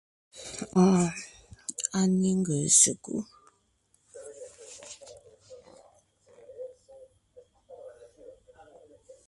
Oon, a ne ńgèè sekú.